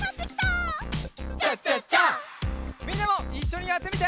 みんなもいっしょにやってみて！